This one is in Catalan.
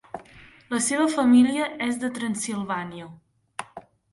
La seva família es de Transsilvània.